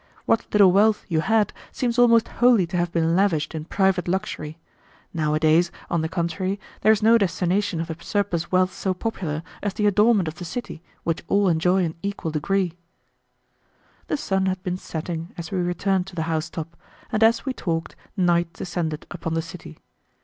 What little wealth you had seems almost wholly to have been lavished in private luxury. Nowadays, on the contrary, there is no destination of the surplus wealth so popular as the adornment of the city, which all enjoy in equal degree." The sun had been setting as we returned to the house top, and as we talked night descended upon the city.